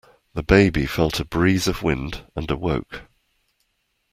The baby felt a breeze of wind and awoke.